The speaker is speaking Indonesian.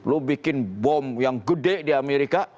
lo bikin bom yang gede di amerika